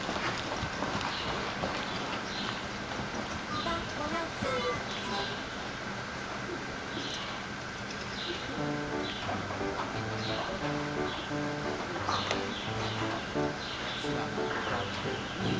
「ピタゴラスイッチ」「しらなくたっていいことだけど」